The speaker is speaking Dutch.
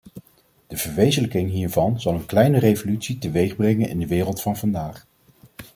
De verwezenlijking hiervan zal een kleine revolutie teweegbrengen in de wereld van vandaag.